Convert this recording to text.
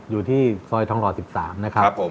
อยู่ที่ซอยทองหล่อ๑๓นะครับผม